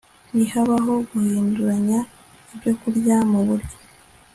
ntihabaho guhinduranya ibyokurya mu buryo